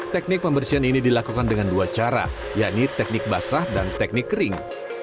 teknik pembersihan ini dilakukan dengan dua cara yakni teknik basah dan teknik kering